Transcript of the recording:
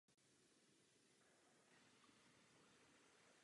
Střelba byla v Litomyšli na dlouhou dobu zakázána.